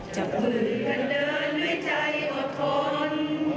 จับมือกันเดินด้วยใจอดทน